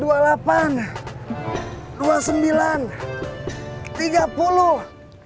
dua lapan dua sembilan tiga puluh